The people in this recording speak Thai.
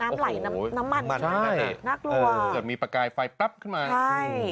น้ำไหลน้ำน้ำมันน่ากลัวเกิดมีประกายไฟปั๊บขึ้นมาใช่